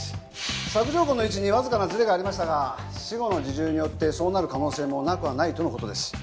索状痕の位置にわずかなズレがありましたが死後の自重によってそうなる可能性もなくはないとのことです。